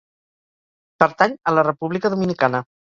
Pertany a la República Dominicana.